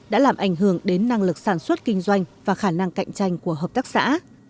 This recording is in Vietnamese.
đã làm ảnh hưởng đến năng lực sản xuất kinh doanh và khả năng cạnh tranh của hợp tác xã